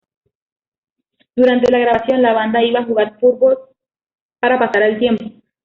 Durante la grabación, la banda iba a jugar fútbol para pasar el tiempo.